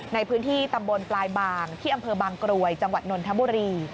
ในพื้นที่ตำบลปลายบางที่อำเภอบางกรวยจังหวัดนนทบุรี